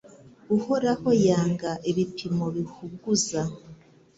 Uhoraho yanga ibipimo bihuguza